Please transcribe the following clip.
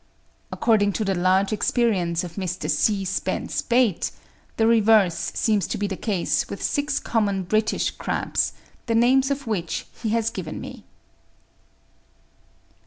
According to the large experience of Mr. C. Spence Bate, the reverse seems to be the case with six common British crabs, the names of which he has given me.